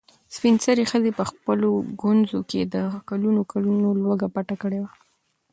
سپین سرې ښځې په خپلو ګونځو کې د کلونو کلونو لوږه پټه کړې وه.